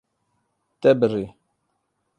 Te birî.